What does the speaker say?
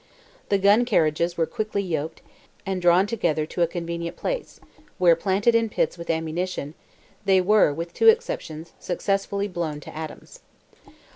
The gun carriages were quickly yoked, and drawn together to a convenient place, where, planted in pits with ammunition, they were, with two exceptions, successfully blown to atoms.